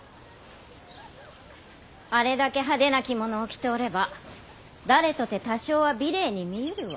・あれだけ派手な着物を着ておれば誰とて多少は美麗に見ゆるわ。